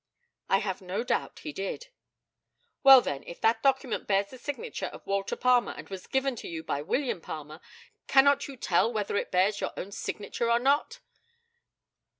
I have no doubt he did. Well, then, if that document bears the signature of Walter Palmer, and was given to you by William Palmer, cannot you tell whether it bears your own signature or not?